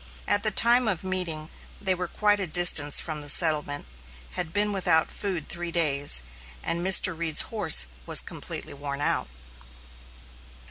At the time of meeting, they were quite a distance from the settlement, had been without food three days, and Mr. Reed's horse was completely worn out.